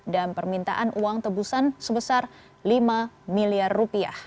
dan permintaan uang tebusan sebesar lima miliar rupiah